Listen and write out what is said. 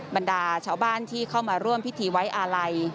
บรรดาชาวบ้านที่เข้ามาร่วมพิธีไว้อาลัย